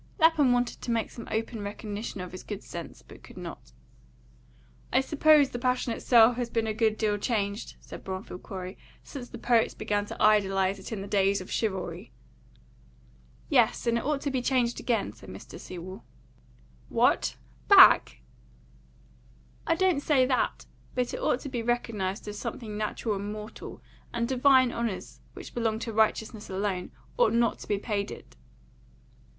Lapham wanted to make some open recognition of his good sense, but could not. "I suppose the passion itself has been a good deal changed," said Bromfield Corey, "since the poets began to idealise it in the days of chivalry." "Yes; and it ought to be changed again," said Mr. Sewell. "What! Back?" "I don't say that. But it ought to be recognised as something natural and mortal, and divine honours, which belong to righteousness alone, ought not to be paid it."